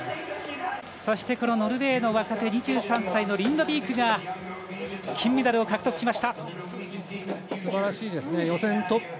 そしてノルウェーの若手２３歳のリンドビークが金メダルを獲得しました。